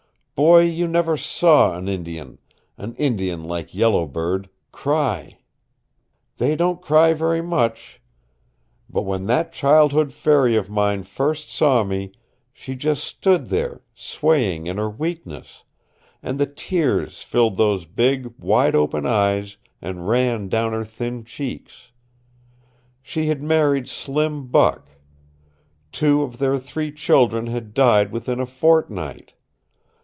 Boy, you never saw an Indian an Indian like Yellow Bird cry. They don't cry very much. But when that childhood fairy of mine first saw me she just stood there, swaying in her weakness, and the tears filled those big, wide open eyes and ran down her thin cheeks. She had married Slim Buck. Two of their three children had died within a fortnight.